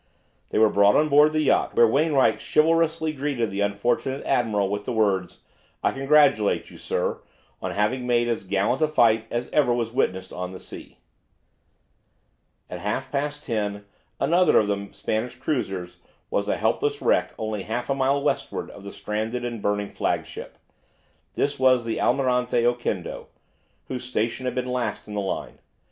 They were brought on board the yacht, where Wainwright chivalrously greeted the unfortunate admiral with the words: "I congratulate you, sir, on having made as gallant a fight as was ever witnessed on the sea." At half past ten another of the Spanish cruisers was a helpless wreck only half a mile westward of the stranded and burning flagship. This was the "Almirante Oquendo," whose station had been last in the line.